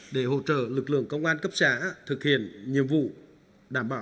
để hỗ trợ lực lượng công an cấp xã thực hiện nhiệm vụ đảm bảo